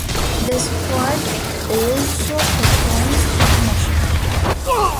The squad also performs internationally.